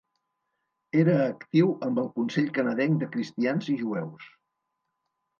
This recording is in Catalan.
Era actiu amb el consell canadenc de cristians i jueus.